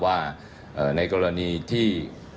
ว่าในกรณีที่